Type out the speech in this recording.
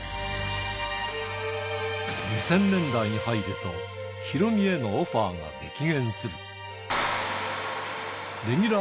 ２０００年代に入ると、ヒロミへのオファーが激減する。